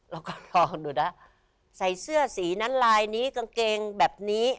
ลองก็ลองดูนะใส่เสื้อสีนั้นลายนี้กางเกงแบบนี้